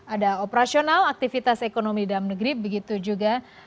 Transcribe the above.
ada operasional aktivitas ekonomi dalam negeri begitu juga